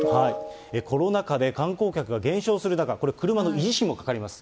コロナ禍で、観光客が減少する中、これ車の維持費もかかります。